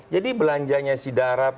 jadi belanjanya si darat